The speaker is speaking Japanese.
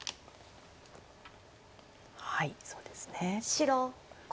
そうですね。